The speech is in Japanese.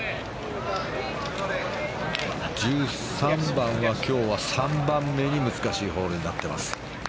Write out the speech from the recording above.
１３番は今日は３番目に難しいホールになっています。